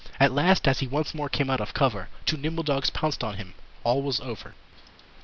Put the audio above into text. At last as he once more came out of cover, Two nimble dogs pounced on him All was over!